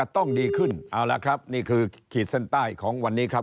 ต้องดีขึ้นเอาละครับนี่คือขีดเส้นใต้ของวันนี้ครับ